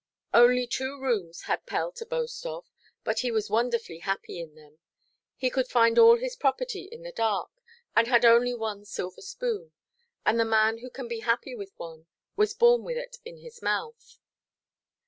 Only two rooms had Pell to boast of, but he was wonderfully happy in them. He could find all his property in the dark, and had only one silver spoon. And the man who can be happy with one, was born with it in his mouth.